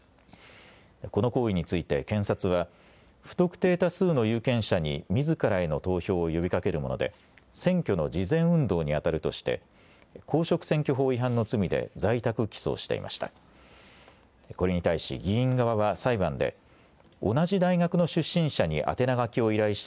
この行為について検察は不特定多数の有権者にみずからへの投票を呼びかけるもので選挙の事前運動にあたるとして公職選挙法違反の罪で在宅起訴していました。